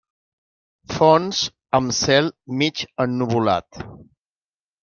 Fons amb cel mig ennuvolat.